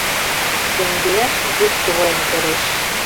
Теҥгеаш руш тувырем кодеш.